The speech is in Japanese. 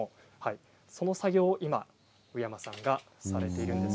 その作業を今宇山さんがされているんです。